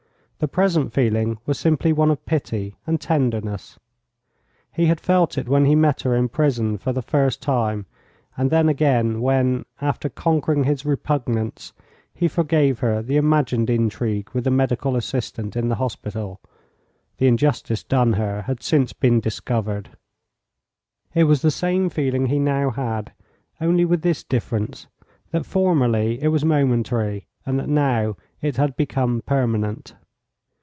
The present feeling was simply one of pity and tenderness. He had felt it when he met her in prison for the first time, and then again when, after conquering his repugnance, he forgave her the imagined intrigue with the medical assistant in the hospital (the injustice done her had since been discovered); it was the same feeling he now had, only with this difference, that formerly it was momentary, and that now it had become permanent.